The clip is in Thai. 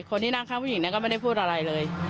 คนที่นั่งข้างผู้หญิงก็ไม่ได้พูดอะไรเลย